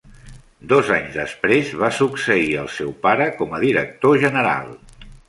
Dos anys després va succeir el seu pare com a director general.